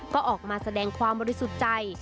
ก็ออกมาแสดงความบริสุทธิ์ใจ